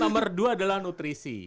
nomor dua adalah nutrisi